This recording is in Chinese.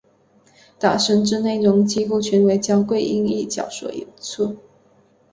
打神之内容几乎全为焦桂英一角所唱出。